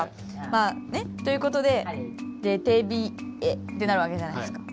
まあね。ということで「れてびｅ」ってなるわけじゃないですか。